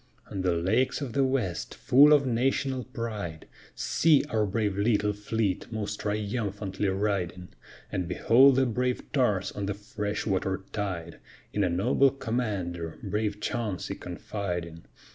On the lakes of the west, full of national pride, See our brave little fleet most triumphantly riding! And behold the brave tars on the fresh water tide, In a noble commander, brave Chauncey, confiding.